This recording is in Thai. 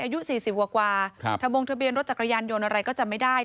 อายุ๔๐กว่าถ้าบงทะเบียนรถจักรยานยนต์อะไรก็จะไม่ได้